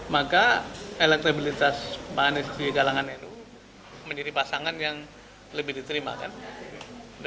maka elektabilitas panis di kalangan nu menjadi pasangan yang lebih diterima